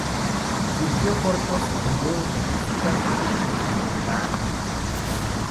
Dirigió cortos, videos de música, y documentales.